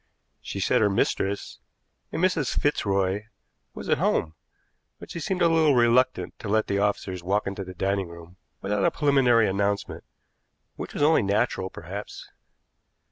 She said her mistress a Mrs. Fitzroy was at home, but she seemed a little reluctant to let the officers walk into the dining room without a preliminary announcement, which was only natural, perhaps.